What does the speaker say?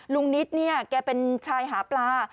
ลุงนิดแกเป็นชายหาปลา